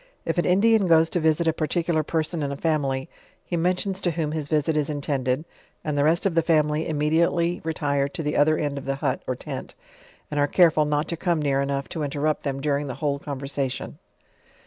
If an Indian goes to visit a particular person in a family, he mentions to whom his visit is intended, and the rest of the family immediately retire to the other end of the hut or tent, and are care:ul not to come near enough to in terrupt them during the whole conversation.